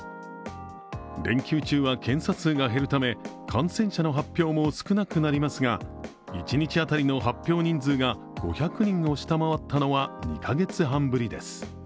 連休中は検査数が減るため感染者の発表も少なくなりますが一日当たりの発表人数が５００人を下回ったのは２カ月半ぶりです。